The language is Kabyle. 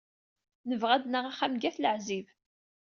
Nebɣa ad naɣ axxam g At Leɛzib.